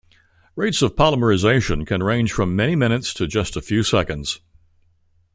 Rates of polymerization can range from many minutes to just a few seconds.